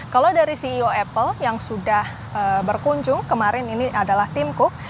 kalau dari ceo apple yang sudah berkunjung kemarin ini adalah tim cook